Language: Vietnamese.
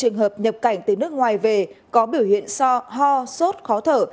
trường hợp nhập cảnh tới nước ngoài về có biểu hiện so ho sốt khó thở